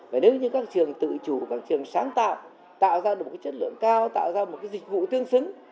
và nếu như các trường tự chủ các trường sáng tạo tạo ra được một chất lượng cao tạo ra một cái dịch vụ tương xứng